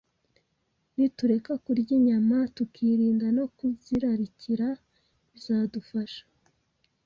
Nitureka kurya inyama, tukirinda no kuzirarikira, bizadufasha